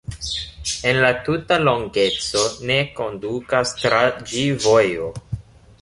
En la tuta longeco ne kondukas tra ĝi vojo.